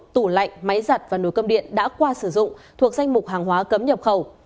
tủ lạnh máy giặt và nồ cơm điện đã qua sử dụng thuộc danh mục hàng hóa cấm nhập khẩu